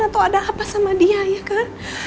atau ada apa sama dia ya kan